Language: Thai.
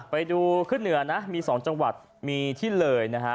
ไปดูขึ้นเหนือนะมี๒จังหวัดมีที่เลยนะฮะ